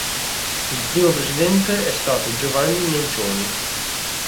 Il primo presidente è stato Giovanni Nencioni.